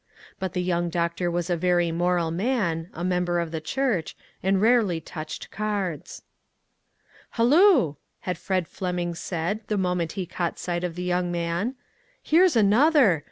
But the young doctor was a very moral man, a member of the church, and rarely touched cards. " Halloo !" had Fred Fleming said the moment he caught sight of the young man, "here's another.